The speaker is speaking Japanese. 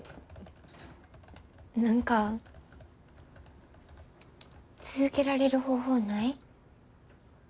何か続けられる方法ない？